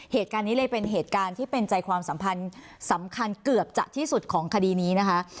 เหตุการณ์นี้เลยเป็นเหตุการณ์ที่เป็นใจความสัมพันธ์สำคัญเกือบจะที่สุดของคดีนี้นะคะ